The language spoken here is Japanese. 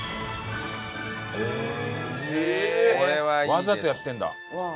わざとやってるんだ。